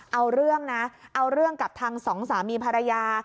เอาเรื่องนะเอาเรื่องกับทางสองสามีภรรยา